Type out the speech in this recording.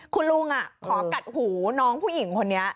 คุณลุงขอกัดหูน้องผู้หญิงคนนี้